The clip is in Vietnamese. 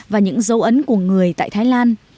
và những dấu ấn của người tại thái lan